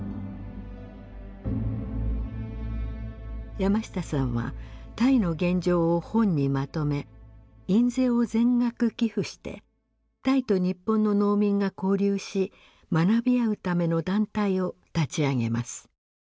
山下さんはタイの現状を本にまとめ印税を全額寄付してタイと日本の農民が交流し学び合うための団体を立ち上げます。